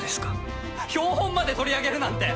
標本まで取り上げるなんて！